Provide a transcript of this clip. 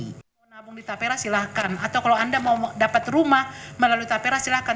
mau nabung di tapera silahkan atau kalau anda mau dapat rumah melalui tapera silahkan